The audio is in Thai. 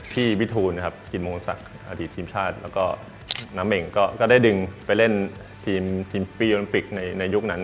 พี่วิทูลกินโมงสักอาทิตย์ทีมชาติแล้วก็น้ำเหม็งก็ได้ดึงไปเล่นทีมปีโอลัมปิกในยุคนั้น